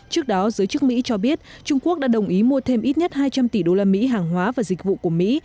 trước đó giới chức mỹ cho biết trung quốc đã đồng ý mua thêm ít nhất hai trăm linh tỷ đô la mỹ hàng hóa và dịch vụ của mỹ